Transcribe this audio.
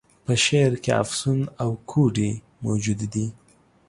په شعر کي افسون او کوډې موجودي دي.